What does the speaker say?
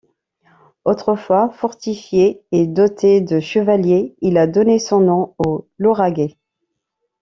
Autrefois fortifié et doté de chevaliers, il a donné son nom au Lauragais.